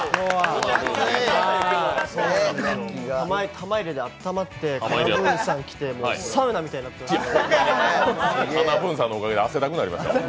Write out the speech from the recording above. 玉入れであったまって、ＫＡＮＡ−ＢＯＯＮさん来てもう、サウナみたいになってました。